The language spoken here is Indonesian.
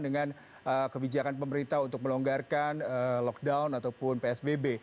dengan kebijakan pemerintah untuk melonggarkan lockdown ataupun psbb